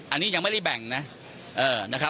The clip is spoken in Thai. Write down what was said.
อันนี้ยังไม่ได้แบ่งนะ